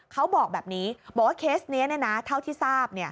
เขาบอกแบบนี้บอกว่าเคสนี้เท่าที่ทราบ